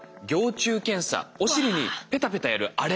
お尻にペタペタやるあれ。